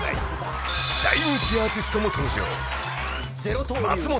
［大人気アーティストも登場］